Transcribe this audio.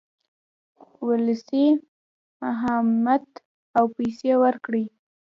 وسلې، مهمات او پیسې ورکړې.